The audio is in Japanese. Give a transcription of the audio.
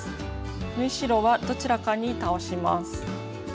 縫い代はどちらかに倒します。